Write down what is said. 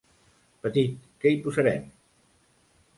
Petit, què hi posarem?